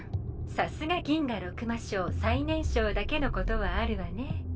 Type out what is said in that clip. さすが銀河六魔将最年少だけのことはあるわね。